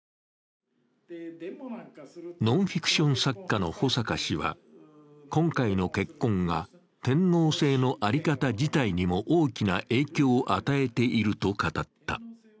ノンフィクション作家の保阪氏は今回の結婚が天皇制の在り方自体にも大きな影響を与えていると語った。